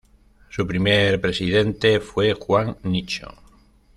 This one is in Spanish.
Su primer presidente fue Juan Nicho.